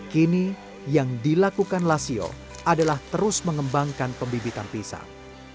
kini yang dilakukan lasio adalah terus mengembangkan pembibitan pisang